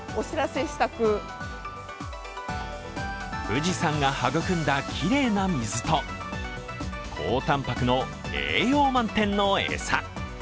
富士山が育んだきれいな水と高たんぱくの栄養満点の餌。